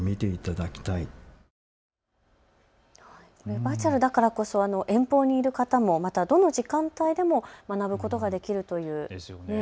バーチャルだからこそ遠方にいる方、またどの時間帯でも学ぶことができるということですよね。